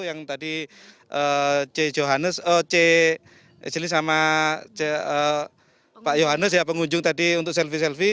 yang tadi c johannes eh c ejli sama pak johannes ya pengunjung tadi untuk selfie selfie